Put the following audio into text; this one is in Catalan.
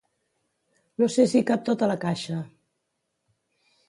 No sé si hi cap tot a la caixa.